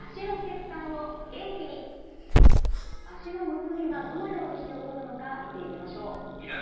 脚のむくみはどのようにして起こるのか見ていきましょう。